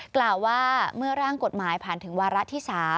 กล่าวว่าเมื่อร่างกฎหมายผ่านถึงวาระที่๓